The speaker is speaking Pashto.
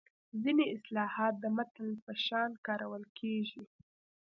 ځینې اصطلاحات د متل په شان کارول کیږي